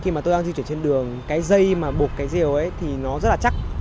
khi mà tôi đang di chuyển trên đường cái dây mà bột cái rìu ấy thì nó rất là chắc